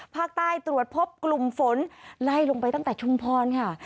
ภาคใต้ตรวจพบกลุ่มฝนไล่ลงไปตั้งแต่ชุมพรค่ะ